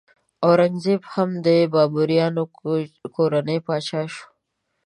اورنګ زیب هم د بابریانو کورنۍ پاچا شو.